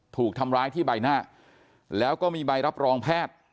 ถูกทำร้ายที่ใบหน้าแล้วก็มีใบรับรองแพทย์